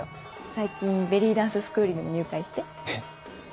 最近ベリーダンススクールにも入会して。えっ？